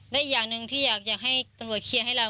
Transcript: และอีกอย่างหนึ่งที่อยากให้ตำรวจเคลียร์ให้เรา